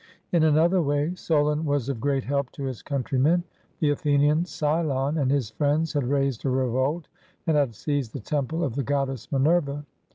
In another way Solon was of great help to his country men. The Athenian, Cylon, and his friends had raised a revolt and had seized the temple of the goddess Mi nerva.